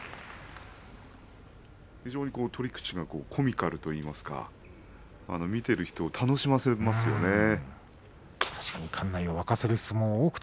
非常に取り口がコミカルといいますか見ている人を楽しませますよね。